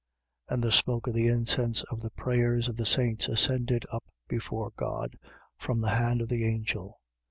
8:4. And the smoke of the incense of the prayers of the saints ascended up before God from the hand of the angel.